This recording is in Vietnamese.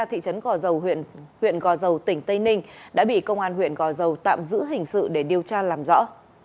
thị trấn gò dầu huyện gò dầu tỉnh tây ninh đã bị công an huyện gò dầu tạm giữ hình sự để điều tra làm rõ